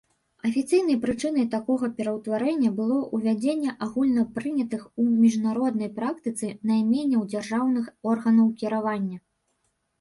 Афіцыйнай прычынай такога пераўтварэння было ўвядзенне агульнапрынятых у міжнароднай практыцы найменняў дзяржаўных органаў кіравання.